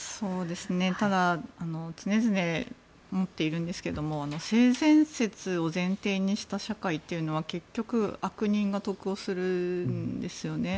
ただ常々思っているんですけど性善説を前提にした社会というのは結局、悪人が得をするんですよね。